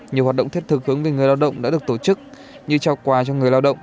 nhiều hoạt động thiết thực hướng về người lao động đã được tổ chức như trao quà cho người lao động